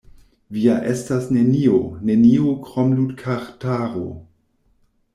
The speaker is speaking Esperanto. "Vi ja estas nenio, nenio krom ludkartaro!"